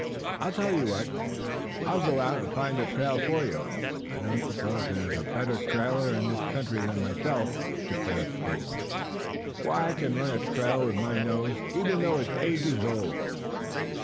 "I'll tell you what, I'll go out and find the trail for you. I don't suppose there is a better trailer in the country than myself," declared Stacy. "Why, I can run a trail with my nose, even though it's ages old."